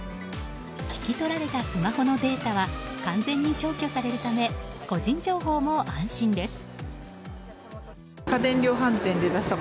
引き取られたスマホのデータは完全に消去されるため個人情報も安心です。